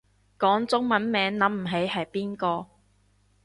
講中文名諗唔起係邊個